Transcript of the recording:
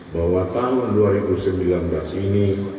bahwa tahun dua ribu sembilan belas ini